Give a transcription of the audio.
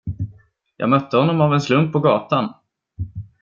Jag mötte honom av en slump på gatan.